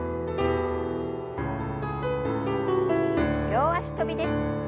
両脚跳びです。